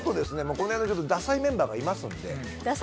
このへんのダサいメンバーがいますんで。